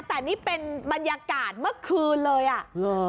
แต่นี่เป็นบรรยากาศเมื่อคืนเลยอ่ะเหรอ